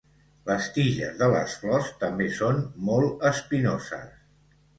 Les tiges de les flors també són molt espinoses.